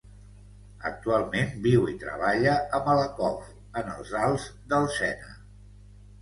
Actualment viu i treballa a Malakoff en els Alts del Sena.